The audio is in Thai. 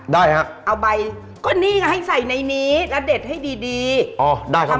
ได้ฮะเอาใบก็นี่ไงให้ใส่ในนี้แล้วเด็ดให้ดีดีอ๋อได้ครับ